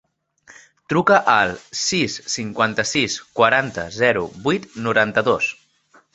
Truca al sis, cinquanta-sis, quaranta, zero, vuit, noranta-dos.